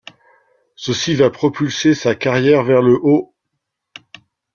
Ceci va propulser sa carrière vers le haut.